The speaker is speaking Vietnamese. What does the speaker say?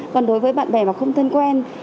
còn đối với bạn bè mà không thân quen